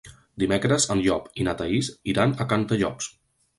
Dimecres en Llop i na Thaís iran a Cantallops.